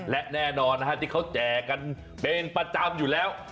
และแน่นอนที่เขาแจกกันเป็นประจำอยู่แล้ว